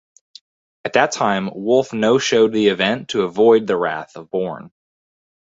At that time Wolfe no-showed the event to avoid the wrath of Borne.